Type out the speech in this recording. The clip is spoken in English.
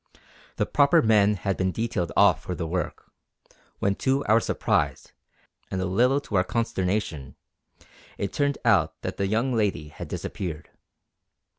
The proper men had been detailed off for the work; when to our surprise, and a little to our consternation, it turned out that the young lady had disappeared.